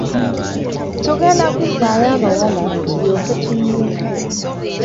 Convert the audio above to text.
Tugenda kuzzaako abawala tulyoke tunnyuke.